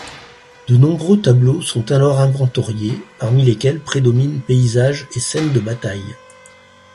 De nombreux tableaux sont alors inventoriés, parmi lesquels prédominent paysages et scènes de bataille.